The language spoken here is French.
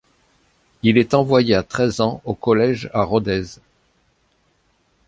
Il est envoyé à treize ans au collège à Rodez.